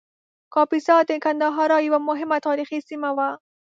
کاپیسا د ګندهارا یوه مهمه تاریخي سیمه وه